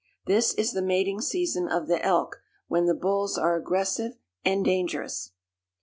This is the mating season of the elk when the bulls are aggressive and dangerous.